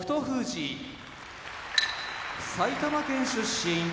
富士埼玉県出身